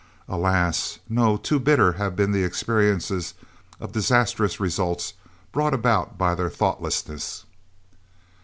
Alas, no! too bitter have been the experiences of disastrous results brought about by their thoughtlessness.